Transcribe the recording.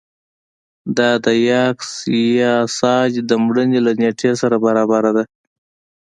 دا د یاکس یاساج د مړینې له نېټې سره برابره ده